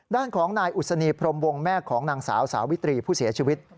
ด้านของนายอุศนีพรมวงแม่ของนางสาวสาวิตรีผู้เสียชีวิต